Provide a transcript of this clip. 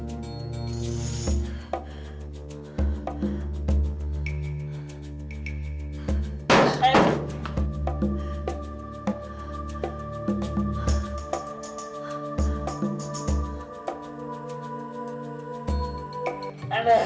gak usah biarin